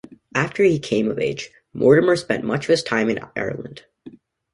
After he came of age, Mortimer spent much of his time in Ireland.